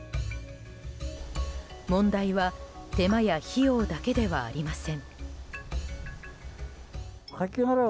問題は手間や費用だけではありません。